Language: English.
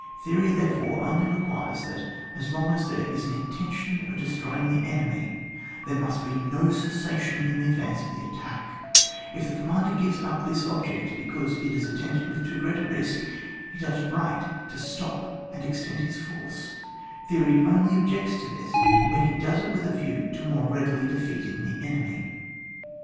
Theory, therefore, only requires that, as long as there is an intention of des troying the enemy, there must be no ces sation in the advance of the attack; if the commander gives up this object be cause it is attended with too great a risk, he does right to stop and extend his forca Theory oiUy objects to this when he does it with a view to more readily defeating the enemy.